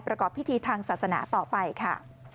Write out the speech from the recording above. ประกอบพิธีทางศาสนาต่อไปค่ะ